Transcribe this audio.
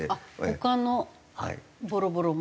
他のボロボロも？